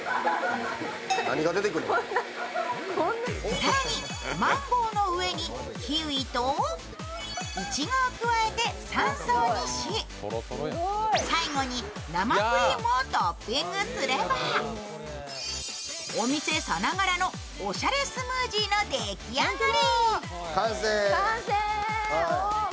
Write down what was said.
さらにマンゴーの上にキウイといちごを加えて３層にし、最後に生クリームをトッピングすればお店さながらのおしゃれスムージーの出来上がり。